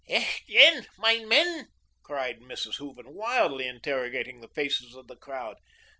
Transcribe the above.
"Eh, den, my men," cried Mrs. Hooven, wildly interrogating the faces of the crowd.